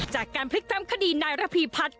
จากการพลิกทำคดีนายระพีพัฒน์